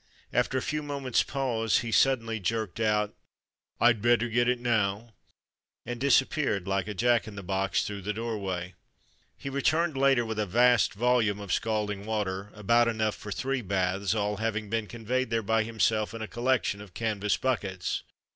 After a few mo ments' pause he suddenly jerked out, "Td better get it now,'' and disappeared like a jack in the box through the doorway. He returned later with a vast volume of scalding water, about enough for three baths, all having been conveyed there by himself in a collection of canvas buckets.